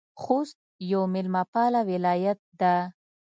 خوست یو میلمه پاله ولایت ده